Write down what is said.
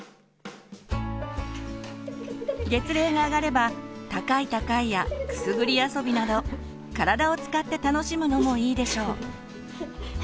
月齢が上がれば高い高いやくすぐり遊びなど体を使って楽しむのもいいでしょう。